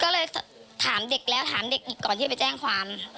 ก็เลยถามเด็กแล้วถามเด็กอีกก่อนที่ไปแจ้งความ